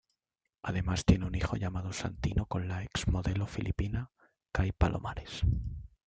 Además tiene un hijo llamado Santino con la ex-modelo filipina, Kai Palomares.